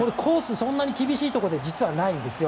そんなに厳しいところでは実はないんですよ。